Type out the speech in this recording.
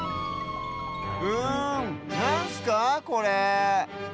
うんなんすかこれ？